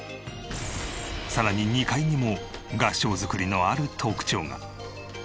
さらに２階にも合掌造りのある特徴が。